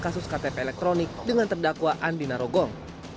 kepada kasus ktp elektronik dengan terdakwa andina rogong